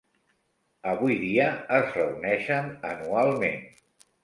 Avui dia, es reuneixen anualment.